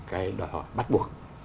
cái đòi hỏi bắt buộc